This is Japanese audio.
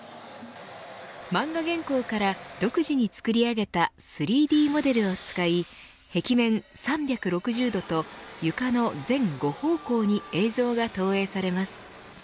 漫画原稿から独自に作り上げた３Ｄモデルを使い壁面３６０度と床の全５方向に映像が投影されます。